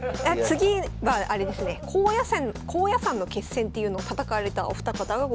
次はあれですね高野山の決戦っていうのを戦われたお二方がございます。